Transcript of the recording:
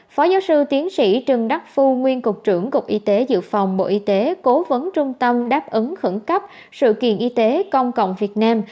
phó giáo sư tiến sĩ trần đắc phu nguyên cục trưởng cục y tế dự phòng bộ y tế cố vấn trung tâm đáp ứng khẩn cấp sự kiện y tế công cộng việt nam